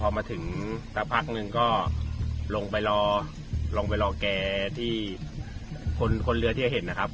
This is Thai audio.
พอมาถึงสักพักนึงก็ลงไปรอแกที่คนเรือที่เห็นนะครับ